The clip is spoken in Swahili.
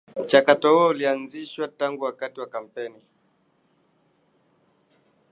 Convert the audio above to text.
Mchakatp huo ulianzishwa tangu wakati wa Kampeni